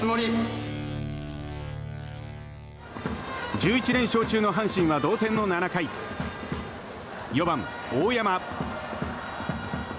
１１連勝中の阪神は同点の７回４番、大山。